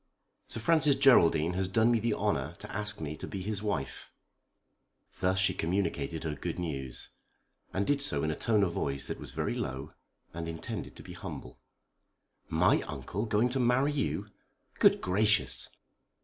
Sir Francis Geraldine has done me the honour to ask me to be his wife." Thus she communicated her good news; and did so in a tone of voice that was very low, and intended to be humble. "My uncle going to marry you? Good gracious!"